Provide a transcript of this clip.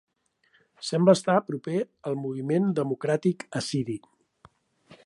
Sembla estar proper al Moviment Democràtic Assiri.